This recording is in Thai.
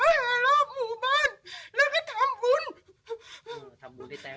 ไม่มีใครช่วยหนูได้เลย